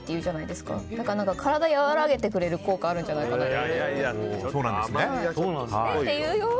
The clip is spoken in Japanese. だから体を和らげてくれる効果があるのかなって。